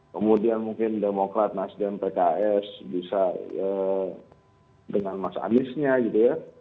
kemudian mungkin demokrat nasdem pks bisa dengan mas aniesnya gitu ya